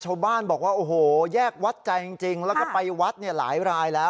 ชาวบ้านบอกว่าโอ้โหแยกวัดใจจริงแล้วก็ไปวัดเนี่ยหลายรายแล้ว